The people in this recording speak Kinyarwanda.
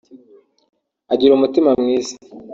Agira umutima mwiza